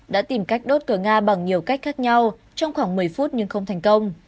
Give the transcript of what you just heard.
đã tìm cách đốt cờ nga bằng nhiều cách khác nhau trong khoảng một mươi phút nhưng không thành công